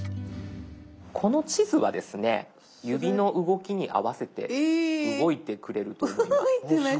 この地図はですね指の動きに合わせて動いてくれると思います。